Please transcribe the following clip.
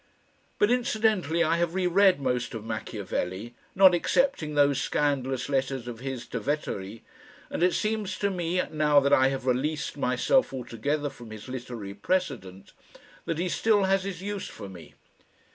But incidentally I have re read most of Machiavelli, not excepting those scandalous letters of his to Vettori, and it seems to me, now that I have released myself altogether from his literary precedent, that he still has his use for me.